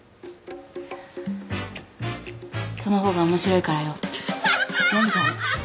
その方が面白いからよ